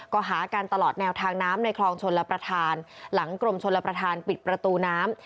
ก็หากันตลอดแนวทางน้ำในคลองชนรับประทานหลังกรมชนรับประทานปิดประตูน้ำ